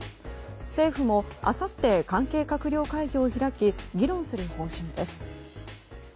政府も、あさって関係閣僚会議を開き議論する方針です。